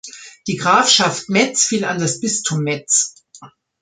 Die Grafschaft Metz fiel an das Bistum Metz.